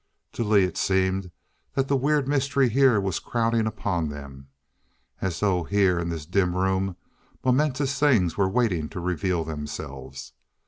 To Lee it seemed that the weird mystery here was crowding upon them. As though, here in this dim room, momentous things were waiting to reveal themselves.